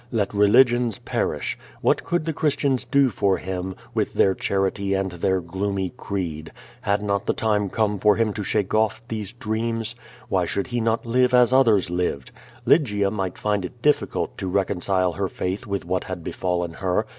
Let religions perish. Wliat could the Christians do for him, with their charity and their gloomy creed? Had nat the time come for him to shake off these dreams? Wliy should he not live as others lived? Ly gia might find it difficult to reconcile her faith with what had befallen her.